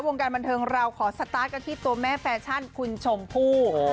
วงการบันเทิงเราขอสตาร์ทกันที่ตัวแม่แฟชั่นคุณชมพู่